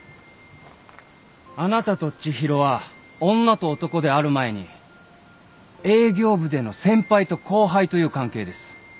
あなたと知博は女と男である前に営業部での先輩と後輩という関係です。